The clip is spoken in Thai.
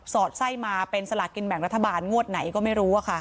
อดไส้มาเป็นสลากินแบ่งรัฐบาลงวดไหนก็ไม่รู้